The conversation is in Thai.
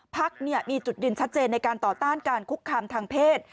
พักมีจุดยืนชัดเจนในการต่อต้านการคุกคามทางเพศ